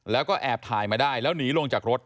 แล้วก็แอบถ่ายมาได้แล้วหนีลงจากรถ